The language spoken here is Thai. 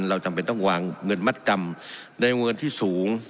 จำเป็นต้องวางเงินมัดจำในเงินที่สูง